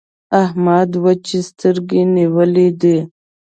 احمد وچې سترګې نيولې دي.